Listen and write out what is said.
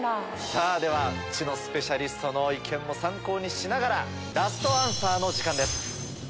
さぁでは知のスペシャリストの意見も参考にしながらラストアンサーの時間です。